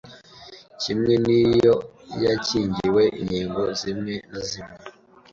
kimwe n’iyo yakingiwe inkingo zimwe na zimwe.